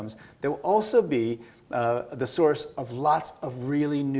saat kita melihat ke depan